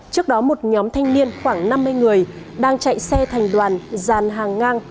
trước đó một nhóm thanh niên khoảng năm mươi người đang chạy xe thành đoàn dàn hàng ngang